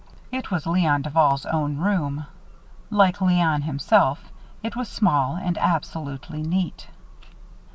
It was Léon Duval's own room. Like Léon himself, it was small and absolutely neat.